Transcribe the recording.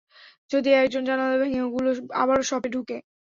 যদি একদিন জানালা ভেঙে ওগুলো আবারও শপে ঢুকে?